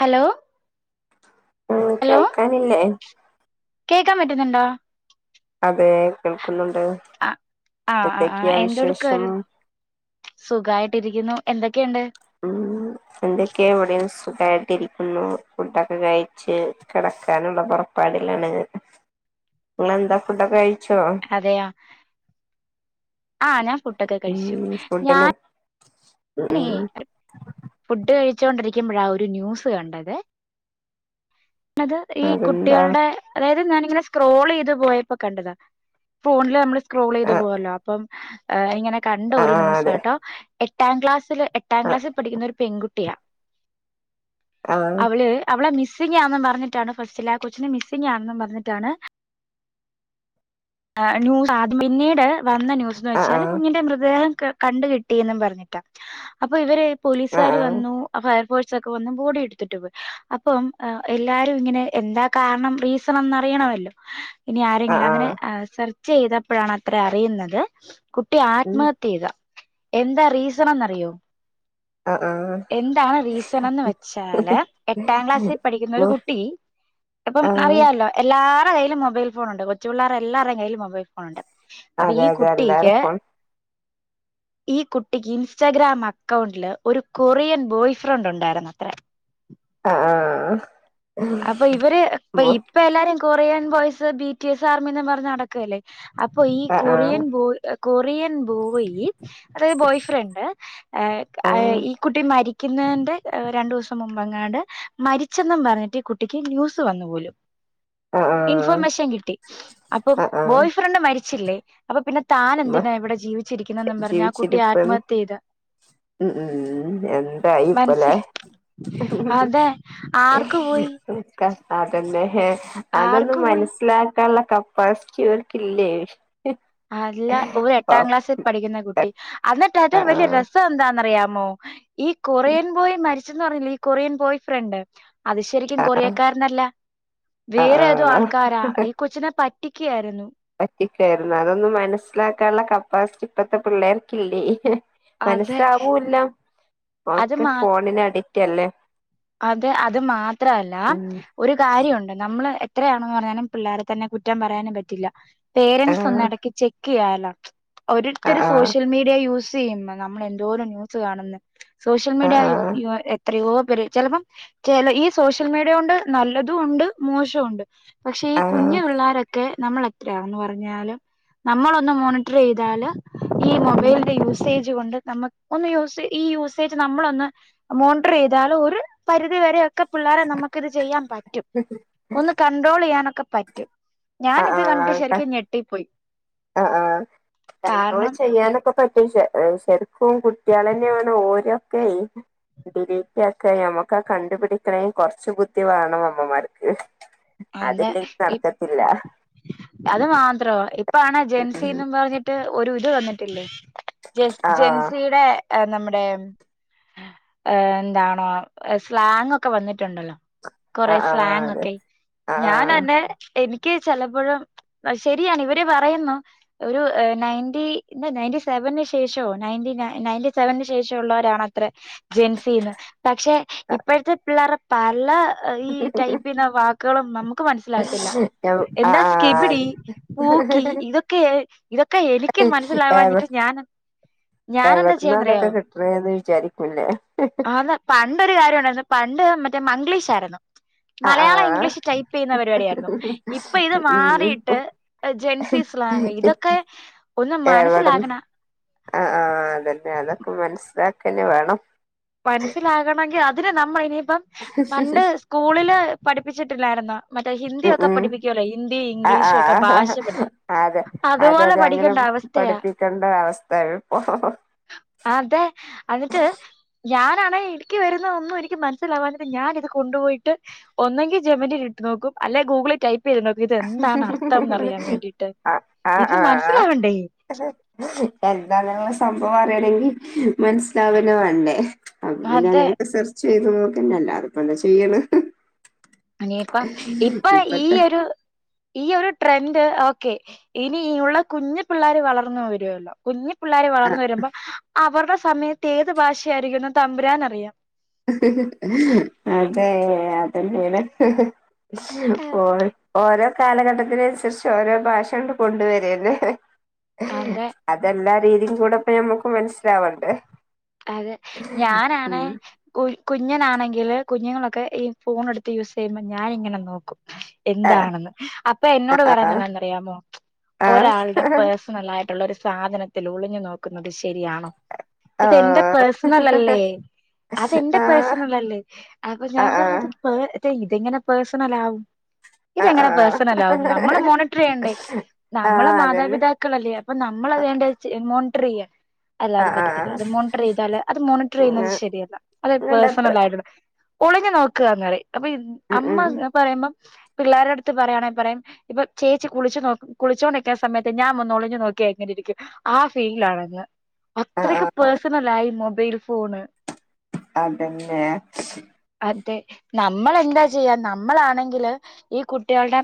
Hello ഉം കേൾക്കാനില്ലേ കേക്കാന്പറ്റുന്നുണ്ടോ അതെ കേൾക്ക്ന്ന്ണ്ട് ആ ആ് ആ ആ വിശേഷം എന്തെട്ക്കാവര് സുഖായിട്ടിരിക്കുന്നു എന്തെ എന്തക്കെയ്ണ്ട് ഉം എന്തക്കെവിടെം സുഖം സുകായ്ട്ടിരിക്കുന്നു ഫുഡൊക്കെകഴ്ച്ച് കിടക്കാനുള്ളപൊറപ്പാടിലാണ് നിങ്ങെളെന്താ ഫുഡൊക്കെ കഴിച്ചോ അതെ ആ ഞാൻ ഉം ഫുഡൊക്കെകഴിച്ചു ഞൻ ഫുഡിന് ഉം ഉം ഫുഡ്കഴിച്ചോണ്ടിരിക്കുമ്പഴാ ഒരു ന്യൂസ്കണ്ടത് അത് ഈ അതെന്താ കുട്ടിഅൾടെ അതായത് ഞാനീ ഇങ്ങനെ സ്ക്രോൾചെയ്ത്പോയപ്പകണ്ടതാ ഫോണില് നമ്മൾ സ്ക്രോള്ചെയ്ത് ആഹ് പോവല്ലേ അപ്പം ആ ഇങ്ങനെ ആഹ് അതെ കണ്ടഒരുന്യൂസാട്ടോ എട്ടാംക്ലാസ്സില് എട്ടാംക്ലാസിൽപഠിക്ക്ന്ന ഒരു പെൺകുട്ടിയാ ആഹ് അവള് അവളമിസ് മിസ്സിംങ്ങാന്നുംപറ്ഞ്ഞിട്ടാണ് ഫസ്റ്റില്ആ കൊച്ചനെ മിസ്സിങ്ങാണ്ന്നും പറഞ്ഞിട്ടാണ് ന്യൂസ്ആദ്യം പിന്നീട് വന്നന്യൂസ്ന്ന് ആഹ് വെച്ചാല് ആഹ് കുഞ്ഞിന്റെമൃത്ദേഹം ക കണ്ട്കിട്ടിന്നും പറഞ്ഞിട്ടാ അപ്പൊ ഇവര് ആഹ് ആഹ് പോലീസ്കാർവന്നു അപ്പൊ സ് ഒക്കെവന്ന് ബോഡി എടുത്തിട്ടത് അപ്പം വന്ന് ആ എല്ലാരുഇങ്ങനെ എന്താ കാരണം റീസണെന്നറിയണമല്ലോ ഇനി ആഹ് ആരെങ്കിലുഅങ്ങനെ ആഹ് ചെയ്തപ്പഴാണത്ര അറിയുന്നത് കുട്ടി ഉം ആത്മഹത്യ യ്ത എന്താ റീസണ ന്നറിയോ ആഹ് ആഹ് എന്താ റീസൺ ന്ന് വെച്ചാല് എട്ടാം ക്ലാസ്സിൽ പഠിക്കുന്ന ബോ ഒരു കുട്ടി ഇപ്പം ആഹ് അറിയാലോ എല്ലാ ര കൈയ്യിലും മൊബൈൽഫോണുണ്ട് കൊച്ചുപിള്ളേരെ എല്ലരുടെ കയ്ൽ മൊബൈ ഫോണുണ്ട് അപ്പൊ അതെ ഈ അതെ എല്ലാരെ കുട്ടിക്ക് ഫോൺ ഈ കുട്ടിക്ക് ഇൻസ്റ്റാഗ്രാം അക്കൗണ്ടില് ഒരു കൊറിയൻ ബോയ് ഫ്രണ്ട് ഉണ്ടായിരുന്ന ത്ര ആ ആ അപ്പൊ ഇവര് ഇ ഇപ്പ എല്ലാരും Korean boys B T S ആർമിന്ന് പർഞ്ഞ് നടക്കല്ലേ അപ്പൊ ഈ ആഹ് ആഹ് കൊറിയൻ ബോയ് കൊറിയൻ ബോയി അതായത് ബോയ് ഫ്രണ്ട് അ് അ് ആഹ് ഈ കുട്ടി മരി ക്കുന്നന്റെ രണ്ടൂസം മുമ്പെങ്ങാണ്ട് മരിച്ചെന്നും പറഞ്ഞിട്ട് കുട്ടിക്ക് ന്യൂസ് വന്നു പോലും ആഹ് ആഹ് ഇൻഫോർമേഷൻ കിട്ടി അപ്പം ആഹ് ബോയ് ആഹ് ഫ്രണ്ട് മരി ച്ചിലെ അപ്പൊ പിന്നെ താ മ നെന്തിനാ ഇവിടെ ജീവിച്ചിരിക്കുന്നെന്നും പറഞ്ഞ് ആ കുട്ടി ജീവിച്ചിരിപ്പന്ന് ആത്മഹത്യ യ്ത് ഉം ഉം എന്തായി ഇപ്പലെ മൻസ്സിൽ അതെ ആർക്ക് പോയി ൻക്ക അതെന്നെ ഹെ അതൊന്നും ആർക്ക് പോയി മനസ്സിലാക്കാൻള്ള കപ്പാസ്റ്റ്യൂരിറ്റില്ലേ അല്ല ഒരട്ടാം ക്ലാസ്സിൽ പഠിക്കുന്ന കുട്ടി അന്നിട്ട് അതിര് വെല്ല്യ ആഹ് രസന്താന്നറിയാ മോ ഈ കൊറിയൻ ബോയ് മരിച്ചെന്ന് പറഞ്ഞില്ലേ ഈ കൊറിയൻ ബോയ് ഫ്രണ്ട് അത് ശെരിക്കും ആഹ് കൊറിയക്കാരനല്ല ആഹ് വേറെഏതോ ആഹ് ആൾക്കാരാ ഈ കൊച്ചിനെ പ റ്റി ക്യായിരുന്നു പറ്റിക്കായിരുന്നു അതൊന്നും മനസ്സിലാക്കാനുള്ള കപ്പാസിറ്റി ഇപ്പത്തെ പിള്ളേർക്കില്ലേ അതെ മനസ്സിലാവൂല്ല അത് ഒക്കെ മാ ഫോണിനടി റ്റല്ലേ അത് അത് മാത്രല്ല ഒരു കാര്യൊ ണ്ട് നമ്മള് എത്രയാണെന്ന് പറഞ്ഞാലും പിള്ളേരെ തന്നെ കുറ്റം പറയാനും പറ്റില്ല പേരൻറ്സ് ആഹ് ഒന്ന ടയ്ക്ക് ചെക്ക് ക്കെയ്യാലോ ഒരിട്ത്തൊരു ആഹ് സോഷ്യൽ മീഡിയ യൂസ് ചെയ്യുന്നു നമ്മൾ എന്തോരം ന്യൂസ് കാണുന്നു സോഷ്യൽ ആഹ് മീഡിയ ആഹ് യു ആ ഏ എത്രയോ പേര് ചിലപ്പം ചില ഈ സോഷ്യൽ മീഡിയം കൊണ്ട് നല്ലതും ഉണ്ട് മോശവും ഉണ്ട് പക്ഷെ ഈ ആഹ് കുഞ്ഞു പിള്ളോരൊക്കെ നമ്മളെ എത്രയാന്ന് പറഞ്ഞാലും നമ്മളൊന്ന് മോണിറ്ററ് ചെയ്താൽ ഈ മൊബൈലിന്റെ യൂസേജ് കൊണ്ട് നമ്മക്ക് ഒന്ന് യൂസ് ഈ യൂസേജ് നമ്മളൊന്ന് മോണിറ്റർ ചെയ്താൽ ഒരു പരിധിവരെയൊക്കെ പിള്ളേരെ നമ്മുക്ക് ഇത് ചെയ്യാൻ പറ്റും റ്റും ഒന്ന് കണ്ട്രോൾ ചെയ്യാനൊക്കെ പറ്റും ആ ഞാനിത് കണ്ടിട്ട് ആ ശരിക്കും ഞെട്ടിപ്പോയി ആ ആ കണ്ട്രോൾ കാരണം ചെയ്യാനൊക്കെ പറ്റും ശ ശെരിക്കും കുട്ടി കുട്ടികള തന്നെ വേണം ഓരൊക്കെ ഓരെക്കെ ഡിലീറ്റ് ആക്കാൻ നമ്മക്ക് കണ്ടുപിടിക്കണേ കൊറച്ചു ബുദ്ധി വേണം അമ്മമാർക്ക് അത് അതില്ലങ്കി നടക്കത്തില്ല അത് മാത്രോ ഇപ്പ ആണേ ജെൻസിന്നും പറഞ്ഞിട്ട് ഒരു ഇത് വന്നിട്ടില്ലേ ജെ ആഹ് ജെൻസിടെ നമ്മുടെ എന്താണോ സ്ലാങ് ഒക്കെ വന്നിട്ടുണ്ടല്ലോ കൊറെ സ്ലാങ് ആഹ് ഒക്കെ ഞാൻ ആഹ് എന്നെ എനിക്ക് ചിലപ്പോഴും ശരിയാണ് ഇവര് പറയുന്നു ഒരു നയന്റി നയന്റി സെവന്ന് ശേഷോ നയന്റിൻ നയന്റി സെവന്ന് ശേഷം ഉള്ളവരാണത്ര ജെൻസിന്ന് പക്ഷെ അതെ ഇപ്പോഴത്തെ പിള്ളേർ പല ഈ ടൈപ്പിൻ വാക്ക് മക്കളും നമുക്ക് മനസിലാവത്തില്ല ആഹ് എന്താ ആഹ് സ്‌കിബിടി ആഹ് പൂക്കി ഇതൊക്കെ ഇതൊക്കെ എനിക്ക് എവി മനസ്സിലവാഞ്ഞിട്ട് ഞാൻ ഞാനെന്താ എവിടന്നാ ചെയ്യാന്നറിയോ ഇതൊക്കെ കിട്ടണേന്ന് വിചാരിക്കൂല്ലേ ആന്ന് പണ്ടൊരു കാര്യം ഉണ്ടായിരുന്നു പണ്ട് മറ്റേ മഗ്ലീഷ് ശരണം ആഹ് മലയാളം ആഹ് ഇംഗ്ലീഷ് ടൈപ്പ് ചെയ്യുന്ന പരിപാടിയായിരുന്നു ഇപ്പൊ ഇത് ഉം മാറിട്ട് ജെൻസി സ്ലാങ്ങ് ഇതൊക്കെ ഒന്ന് എവിടന്ന് മനസ്സിലാക്കണ ക്കന്നെ വേണം മനസ്സിലാകണങ്കിൽ അത് തി നമ്മ ഇനി ഇപ്പം പണ്ട് സ്കൂളിൽ പഠിപ്പിച്ചിട്ടില്ലായിരുന്നോ മറ്റേ ഉം ഹിന്ദിയൊക്കെ ഉം പഠിപ്പിക്കൊല്ലോ ഹിന്ദി ആ ഇംഗ്ലീഷും ഒക്കെ ഭാഷ പഠിപ്പ ആ അതെ അതെ അതുപോലെ അതെ അങ്ങനെ പഠിക്കണ്ട അവസ്ഥയാ പഠിപ്പിക്കേണ്ട അവസ്ഥ ഇപ്പോ അതെ അന്നിട്ട് ഞാനാണെ എനിക്ക് വരുന്ന ഒന്നും എനിക്ക് മനസ്സിലാവാഞ്ഞിട്ട് ഞാന് ഇത് കൊണ്ടുപോയിട്ട് ഒന്നെങ്കി ജെമനിൽ ഇട്ട് നോക്കും അല്ലെ ഗൂഗിളി ടൈപ്പ് ചെയ്ത് നോക്കും ഇത് എന്താണ് അർത്ഥം എന്നറിയാൻ വേണ്ടിയിട്ട് ആ ആ ഇത് ആ ഹാ മനസ്സിലാവണ്ടേ എന്തണുള്ള സംഭ അപ്പൊ പറയണെങ്കിൽ മനസ്സിലാവന വണ്ടേ അ പിന്നെ അതെ അങ്ങനെയൊക്കെ സെർ ചെയ്ത് നോക്കന്നെ അല്ലാും ഇപ്പ എന്താ ചെയ്യണ അനിപ്പം ഇപ്പൊ ഈ ഒരു ഈ ഒരു ട്രെൻഡ് ഓക്കെ ഇനി ഉള്ള കുഞ്ഞു പിള്ളേർ വളർന്ന വരുല്ലോ കുഞ്ഞ പിള്ളോര് ആ വളർന്ന വരുമ്പോ അവരുടെ സമയത്ത് ഏത് ഭാഷയായിരിക്കുന്ന തമ്പുരാൻ അറിയാം അതെ അതന്നെയാണ് ഓ ഓരോ കാലഘട്ടത്തിന അനുസരിച്ച് ഓരോ ഭാഷ കൊണ്ട് കൊണ്ടുവരന്നെ അതെ അതെല്ലാ രീതിയും കൂടെ ഇപ്പ നമുക്ക് മനസ്സിലാവണ്ട് അതെ ഞാനണ കുഞ്ഞനാണെങ്കിൽ കുഞ്ഞുങ്ങളൊക്കെ ഈ ഫോൺ എടുത്ത് യൂസ് ചെയ്യുമ്പോൾ ഞാാനിങ്ങനെ നോക്കും എന്താണെന്ന് അപ്പൊ എന്നോട് പറയാൻന്താന്നറിയാമോ ഒരാളുടെ പേഴ്സണൽ ആയിട്ടുള്ളരു സാധനത്തിൽ ഒളിഞ്ഞു നോക്കുന്നത് ശരിയാണോ ഇതെന്റെ പേഴ്സണൽ അല്ലേ അതെന്റെ പേഴ്സണൽ അല്ലേ അപ്പൊ ഞാൻ പറഞ്ഞത് പ മേ ഇതെങ്ങനെ പേഴ്സണൽ ആാവും ഇതെങ്ങനെ പേഴ്സണല ആാവും നമ്മള മോണിറ്റർ ചെയ്യണ്ടേ ആ നമ്മളെ അതന്നെ മാതാപിതാക്കളല്ലേ അപ്പൊ നമ്മൾത് മോ പ്രിയ ആ അല്ലാതെ ആ പറ്റ ത് മോണിറ്റർ ചെയ്തല് അത് മോണിറ്റർ ചെയ്യുന്നത് നിങ്ങളുടെ ശരിയല്ല അത് അത്ര പേഴസണൽ ആയിട്ടത് ഒളിഞ്ഞു നോക്കുക എന്ന അപ്പൊ ഉം, ഉം. അമ്മ പറയുമ്പം പിള്ളേരുടെ അടുത്ത് പറയാണെങ്ക പറയുംം ഇപ്പൊ ചേച്ചി കുളിച്ചു നോ കുളിച്ചുകോണ്ടിരിക്കുന്ന സമയത്ത് ഞാൻ ഒന്ന് ഒളിഞ്ു നോക്കി അങ്ങി ഇരിക്കും ആ ഫീൽ ആണത് ആ ആ ഇത്രയ്ക്ക് പേഴസണല ആയി മൊ മോബയിൽ ഫോണ് അതന്ന നമ്മൾ എന്താ ചെയ്യാം നമ്മളാണെങ്കില് ഈ കുട്ടികളുടെ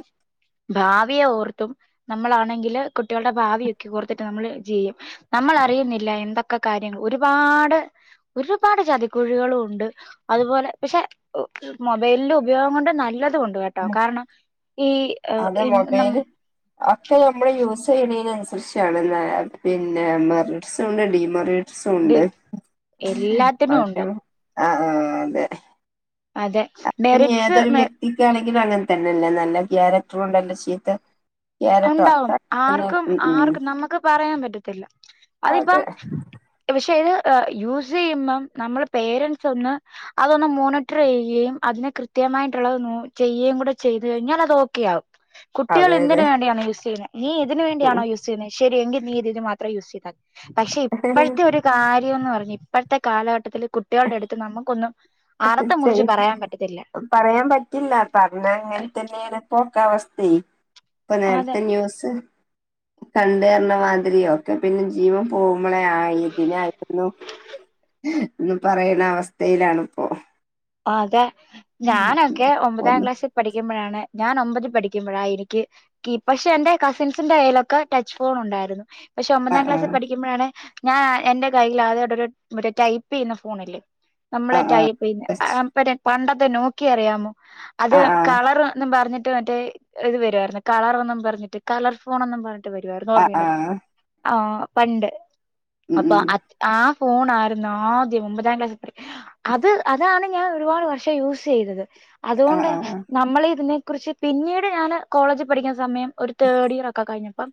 ഭാവിയെ ഓർത്തും നമ്മളാണെങ്കില് കുട്ടികളുടെ ഭാവിയൊക്കെ ഓർത്തിട്ട് നമ്മള് ചെയ്യും നമ്മൾ അറിയുന്നില്ല എന്തൊ കാര്യങ്ങ ഒരുപാട് ഒരുപാട് ചതിക്കുഴികളും ഉണ്ട് അതുപോലെ പക്ഷെ മൊബൈലില് ഉപയോഗം കൊണ്ട് നല്ല കൊണ്ട് കേട്ടോ കാരണം ഈ അത് ന ചെടീനനുസരിച്ചാണ് പിന്നെ മറിറ്റ്സ ഉണ്ട് ഡിമൊറിറ്റ് ഇത് സുണ്ട്.. എല്ലാത്തിനും ഉണ്ട് ഒക്കെന്ന ആഹ ആഹ അതെ അതെ ഇപ്പൊ ഇനി മെറിറ്റ്സ് ഏതൊരു മ വ്യക്തിക്കാണെങ്കിലും അങ്ങനെ തന്നെയല്ലേ നല്ല ക്യാരക്ടറ കൊണ്ടല്ല ചീത്ത ക്യാരക്ടർ ഒണ്ടാവും ഒക്കെ ആർക്കും തന്നെ ആർക്കും നമ്മക്ക് പറയാൻ പറ്റത്തില്ല അതിപ്പം അതെ ഇഷ് പക്ഷെ ഇത് യൂസ് ചെയ്യുമ്പം നമ്മുടെ പേരൻറ്സ് ഒന്ന് അതൊന്ന് മോണിറ്റർ ചെയ്യുകയും അതിനെ കൃത്യമായിട്ടുള്ളത് നോ ചെയ്യുകയും കൂടെ ചെയ്ത് കഴിഞ്ഞാൽ അത് ഓക്കെ ആകും കുട്ടികൾ അതെ എന്തിന അതെ [unintelligible] നീ ഇതിന് വേണ്ടിയാണോ ഉം. യുസ് ചെയ്യുന്നേ ശരി എങ്കി നീ ഇതിന് മാത്രം യൂസ് ചെയതാ പക്ഷെ ഇപ്പോഴത്തെ ഒരു കാര്യംന്ന് പറ ഇപ്പോഴത്തെ കാലഘട്ടത്തി കുട്ടികളുടെ അടുത്ത് നമുക്കൊന്നും അറുത്ത് കസിൻസ് മുറിച്ച് പറയാൻ പറ്റത്തില്ല പറയാൻ പറ്റില്ല പറഞ്ഞ അങ്ങനെ തന്നെയപ്പോ ക്ക അവസ്ഥയെ ഇപ്പൊ അതെ നേരത്തെ ന്യൂസ് കണ്ടേരണമാതിരിയോ ഒക്കെ പിന്നെ ജീവം പോകുമ്പോളെ ആ ഇതിനായിരുന്നു എന്ന് പറയണ അവസ്ഥയിലാണ് ഓ ആ അതെ ഞാനൊക്കെ ഒമ്പതാം ഒന്ന് ക്ലാസ്സിൽ പഠിക്കുമ്പോഴാണ് ഞാൻ ഒമ്പത് പഠിക്കുമ്പോഴാ എനിക്ക് കീ പക്ഷെ എന്റെ കസിൻസിന്റെ കയ്യിലൊക്കെ ടച്ച് ഫോൺ ഉണ്ടായിരുന്നു പക്ഷെ ആ ഒമ്പതാം ആ ക്ലാസിൽ പഠിക്കുമ്പോഴാണ് ഞാൻ എന്റെ കയ്യിൽ ആദ്യവായിട്ടൊരു മറ്റേ ടൈപ്പ് ചെയ്യുന്ന ഫോണില്ലേ നമ്മൾ ആ ആ ടൈപ്പ് കുറച്ച്. ചെയ്യുന്ന പണ്ടത്തെ നോക്കിയ അറിയാമോ അത് ആ ആ കളർന്നും പറഞ്ഞ് ട്ട് മറ്റേ ഇത് വരുമായിരുന്നു കളറെന്നും പറഞ്ഞിട്ട് കളർ ഫോണെന്നും പറഞ്ഞ വരുവാർന്ന് ആ ഓർമ്മയുണ്ടോ ആ ആ പണ്ട് ഉം അപ്പൊ ഉം അത് ആ ഫോണായിരുന്നു ആദ്യം ഒൻമ്പതാം ക്ലാസ് പഠി അത് അ അതാണ് ഞാൻ ഒരുപാട് വർഷം യൂസ് ചെയ്തത് ആ അതുകൊണ്ട് ആ നമ്മളിതിനെ കുറിച്ച് പിന്നീട് ഞാൻ കോളേജിൽ പഠിക്കുന്ന സമയം ഒരു തേർഡ് ഇയറൊക്കെ കഴിഞ്ഞപ്പം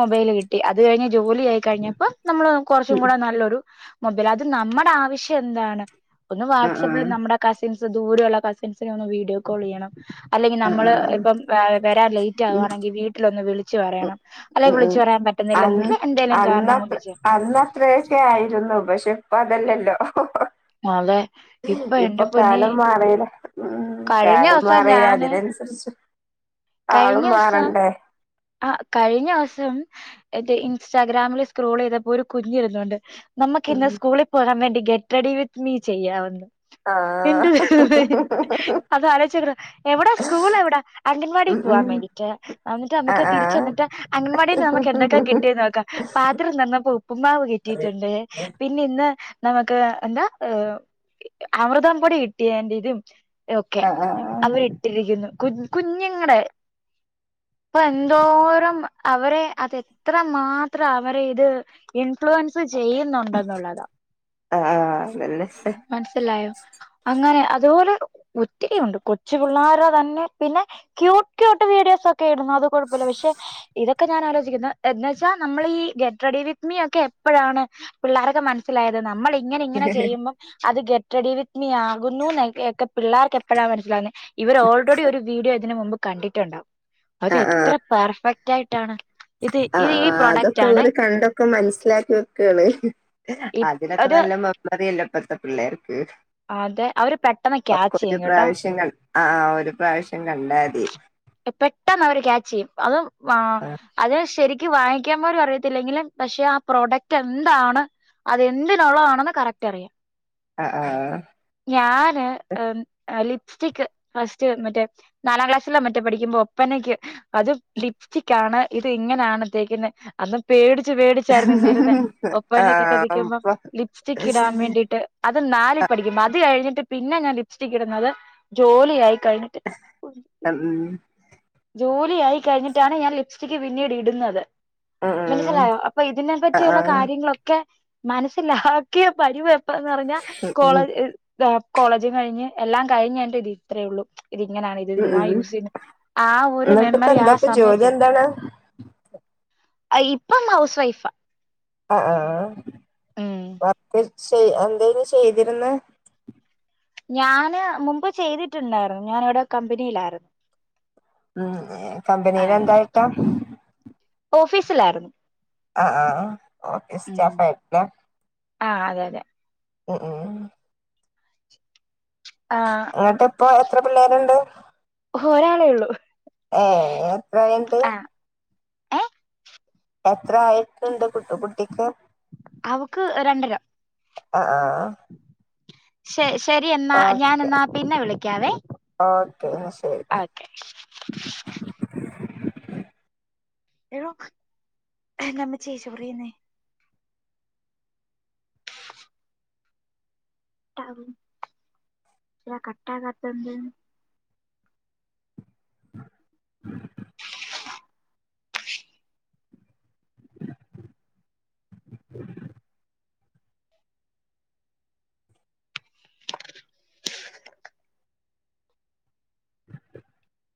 മൊബൈല് കിട്ടി അത് കഴിഞ്ഞ് ജോലി ആയി കഴിഞ്ഞപ്പോ നമ്മള് കുറച്ചും ഉം കൂടെ നല്ലൊരു മൊബൈൽ അത് നമ്മുടെ ആവശ്യം എന്താണ് ഒന്ന് ആ ആ നമ്മുടെ കസിൻസ് ദൂരയുള്ള കസിൻസിനെ ഒന്ന് വീഡിയോ കോൾ ചെയ്യണം അല്ലെങ്കിൽ ആ നമ്മള് ആ ഇപ്പം വരാൻ ലേറ്റ് ആകുകവാണെങ്കിൽ വീട്ടിലൊന്ന് വിളി ഉ ഉ എന്തേലും കാരണം കൊണ്ട് അന്നത്ര ചെയ്യണം അന്നത്രയൊക്കെ ആയിരുന്നു പക്ഷെ ഇപ്പം അതല്ലല്ലോ ആതെ ഇപ്പൊ എന്റെ പൊന്നെ കാലം മാറീലെ ഉം കാലും മാറി അതിനനുസരിച്ച് ആളും കഴിഞ്ഞ ദിവസം മാറണ്ടേ ആ കഴിഞ്ഞ വസം ന്റെ ഇൻസ്റ്റാഗ്രാമില് സ്ക്രോൾ ചെയ്തപ്പോ ഒരു കുഞ്ഞിരുന്നുണ്ട് നമുക്ക് ഉം ഇന്ന് സ്കൂളിൽ പോകാൻ വേണ്ടി ഗെറ്റ് റെഡി വിത്ത്‌ മീ ചെയ്യാന്ന് ആഹ് എന്റെ [unintelligible] അത് ആലോച്ചുനോക്കറ എവിടാ സ്കൂൾ എവിടാ അംഗൻവാടി ഉം ഉം പോവാൻ വേണ്ടീട്ട് ന നമുക്ക് ആഹ് തിരിച്ചന്നിട്ട് അങ്ങവാടിൽന്ന് നമുക്ക് എന്തൊക്കെ കിട്ടിയ നോക്കാം പാത്രം തന്നപ്പോൾ ഉപ്പുമാവ് കിട്ടിയിട്ടുണ്ട് പിന്നെ ഇന്ന് നമുക്ക് എന്താ അമൃതംപൊടി കിട്ടിയാന്റിതും ഓക്കെ ആഹ് ആഹ് ആഹ് അവരിട്ടിരിക്കുന്നു കുഞ്ഞു കുഞ്ഞുങ്ങളുടെ അപ്പൊ എന്തോരം അവരെ അത് എത്ര മാത്രം അവരെ ഇത് ഇൻഫ്ലുവൻസ് ചെയ്യുന്നുണ്ടെന്നുള്ളതാ ആഹ് അതന്നെ ആഹ് മനസിലായോ അങ്ങനെ അതുപോലെ ഒത്തിരി ഉണ്ട് കൊച്ചു പിള്ളേര തന്നെ പിന്നെ ക്യൂട്ട് ക്യൂട്ട് വീഡിയോസ് ഒക്കെ ഇണ്ട് അത് കുഴപ്പമില്ല പക്ഷെ ഇതക്കെ ഞാൻ എന്നാ വെച്ചാൽ നമ്മൾ ഈ ഗെറ്റ് റെഡി വിത്ത്‌ മീയൊക്കെ എപ്പോഴാണ് പിള്ളോരൊക്കെ മനസ്സിലായത് നമ്മള ഇങ്ങനെങ്ങനെ ചെയ്യുമ്പോം അത് ഗെറ്റ് റെഡി വിത്ത്‌ മീ ആകുന്നു ഒക്കെ പിള്ളേർക്ക് എപ്പോഴാ മനസിലാവുന്നേ ഇവർ ഓൾറെഡി ഒരു വീഡിയോ ഇതിന് മുമ്പ് കണ്ടിട്ടുണ്ടാവും അത് എത്ര പെർഫെക്റ്റ് ക്റ്റ് ആയിട്ടാണ് ഇത് ആ ഇത് ഈ പ്രൊഡക്റ്റ് അതൊക്കെ ആണ് അവര് കണ്ടൊക്കെ മനസ്സിലാക്കി വെക്കാണ് ഇ അതിനൊക്കെ അത് നല്ല മ മ അല്ല ഇപ്പഴത്തെ പിള്ളേർ അതെ അവര് പെട്ടെന്ന് ക്യാച്ച് ഒരു ചെയ്യും കേട്ടോ പ്രാവശ്യം ക ആഹ ഒരു പ്രാവശ്യം കണ്ടാതി ട്ടന്ന് അവര് ക്യാച്ച് ചെയ്യും. അതും വഹ് ആഹ് അതിന് ശെരി ക്ക് വായിക്കാൻ പോലും അറിയത്തില്ലെങ്കില് പക്ഷെ ആ പ്രോഡക്റ്റ് എന്താണ് അതെന്തിനുള്ളതാണെന്ന് കറക്റ്റ് അറിയാം. ആഹ് ആഹാ ഞാന് ആം ആഹ് ലി ലിസ്റ്റിക് ഫസ്റ്റ്, എന്നിട്ട് നാലാം ക്ലാസ്സിലോ മറ്റു പഠിക്കുമ്പോ ഒപ്പനയ്ക്ക് അതും ലിപ്സ്റ്റികാണ്. ഇത് ഇങ്ങനാണ് ഇട്ടേക്കുന്നെ അന്ന് പേടി ച്ച്, പേടിച്ചായിരുന്നു നിന്നിരുന്നെ, ആഹ് ഒപ്പനയൊക്കെ ആഹ് ശ്രദ്ധിക്കുമ്പോ ഇപ്പൊ ലിപ്സ്റ്റിക് ഇടാൻ വേണ്ടിയിട്ട് അത് നാലിൽ പഠിക്കുമ്പോ അത് കഴിഞ്ഞിട്ട് പിന്നെ ഞാൻ ലിപ്സ്റ്റിക് ഇടുന്നത് ജോലിയായി കഴിഞ്ഞിട്ട് [inaudible] ഹ്മ്മ് ജോലിയായി കഴിഞ്ഞിട്ടാണ് ഞാൻ ലിപ്സ്റ്റിക്ക് പിന്നീട് ഇടുന്നത്. ഉം ഉം മനസ്സിലായോ, അപ്പൊ ഇതിനെ ആഹ് പറ്റിയുള്ള ആഹ് കാര്യങ്ങളൊക്കെ മാനസിലാക്കിയ പരിവ ന്ന് പറഞ്ഞാ ഉം കോളേജ് ഉം ഇ ആ കോളേജും കഴിഞ്ഞ് എല്ലാം കഴിഞ്ഞെന്റെ വി ഇത്രേ ഉള്ളു. ഇങ്ങനാണെ ഇത് എന്തിനാ ഉം യൂസെയ്യുന്നെ എന്നിട്ടിപ്പ എന്താപ്പ ജോലി എന്താണ്? ആഹ് ഇപ്പം ഹൗസ് വൈഫാ ആഹ് ആഹാ ഉം [unintelligible] ചെയ് എന്തേലും ചെയ്തിരുന്നെ ഞാന് മുമ്പ് ചെയ്തിട്ടുണ്ടായിരുന്നു. ഞാനിവടെ കമ്പനിയിലായിരുന്നു. ഉം ആ കമ്പനീലെന്തായിട്ടാ [inaudible] ഓഫീസിലായിരുന്നു. ആഹ് ഓഫീസ് സ്റ്റാഫ് ആയിട്ടല്ലേ ആഹ് അതെ അതെ, ഓഓ ആ ന്നട്ടിപ്പോ എത്ര പിള്ളേരുണ്ട്. ഒരാളെ ഉള്ളൂ. ഏഹ്, എത്രയണ്ട് ആ ഏ എത്ര ആയിട്ടുണ്ട് കുട്ട് കുട്ടിക്ക്. അവക്ക് രണ്ടര. ആഹ് ആഹ് ആഹ് [inaudible] [inaudible] ശെഷ് ശെരി എന്നാ ഞാൻ ഓക്കെ എന്നാ പിന്നെ വിളിക്കാവേ ഓക്കെ എന്നാ ശരി [unintelligible] ഴോ എൻ്റമ്മച്ചിയെ ചൊറിയുന്നേ കട്ടാവും ല കട്ടാകാത്തെന്ത്? [unintelligible] [unintelligible] [unintelligible]